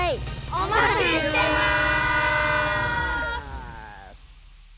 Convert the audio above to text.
おまちしてます！